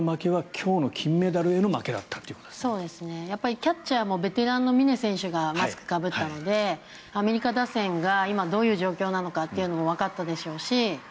キャッチャーもベテランの峰選手がマスクをかぶったのでアメリカ打線が今どういう状況なのかというのもわかったでしょうし。